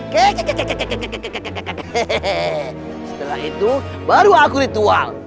setelah itu baru aku ritual